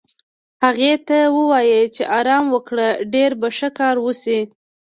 هغې ته ووایې چې ارام وکړه، ډېر به ښه کار وشي.